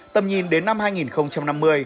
tầm nhìn đến năm hai nghìn năm mươi